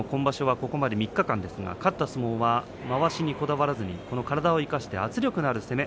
ここまで３日間ですが、勝った相撲はまわしにこだわらずに体を生かした圧力のある攻め